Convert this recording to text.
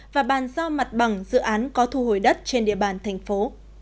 và bàn giao mặt bằng dự án có thu hồi đất trên địa bàn thành phố